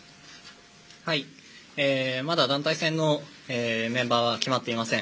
まだ団体戦のメンバーは決まっていません。